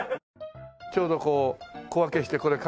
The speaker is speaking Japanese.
ちょうどこう小分けしてこれ買いやすいよ。